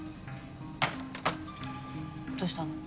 どうしたの？